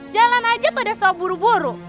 jalan aja pada soal buru buru